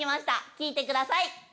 聞いてください。